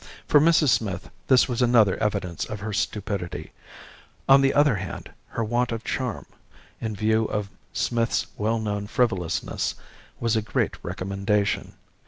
For Mrs. Smith this was another evidence of her stupidity; on the other hand, her want of charm, in view of Smith's well known frivolousness, was a great recommendation.